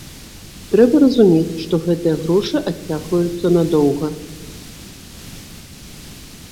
Трэба разумець, што гэтыя грошы адцягваюцца надоўга.